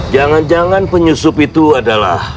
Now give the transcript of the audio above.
jangan jangan penyusup itu adalah